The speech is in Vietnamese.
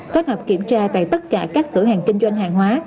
kết hợp kiểm tra tại tất cả các cửa hàng kinh doanh hàng hóa